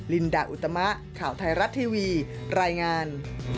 ลินดาอุตมะข่าวไทยรัฐทีวีรายงาน